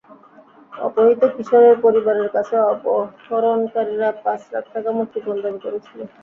অপহৃত কিশোরের পরিবারের কাছে অপহরণকারীরা পাঁচ লাখ টাকা মুক্তিপণ দাবি করেছিল।